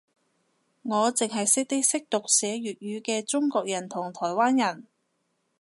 我剩係識啲識讀寫粵語嘅中國人同台灣人